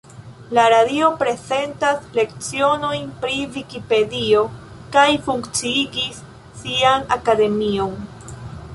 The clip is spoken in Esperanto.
La radio prezentas lecionojn pri Vikipedio kaj funkciigis sian Akademion.